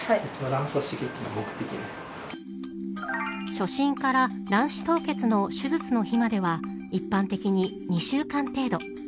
初診から卵子凍結の手術の日までは一般的に２週間程度。